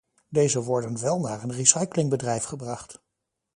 Deze worden wel naar een recyclingbedrijf gebracht.